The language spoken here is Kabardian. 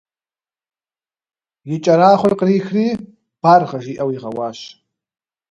И кӏэрахъуэр кърихри «баргъэ» жиӏэу игъэуащ.